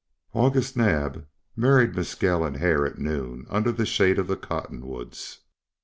August Naab married Mescal and Hare at noon under the shade of the cottonwoods.